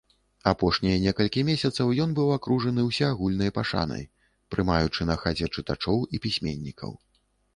Апошнія некалькі месяцаў ён быў акружаны ўсеагульнай пашанай, прымаючы на хаце чытачоў і пісьменнікаў.